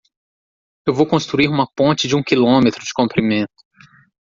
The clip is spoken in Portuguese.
Eu vou construir uma ponte de um quilômetro de comprimento.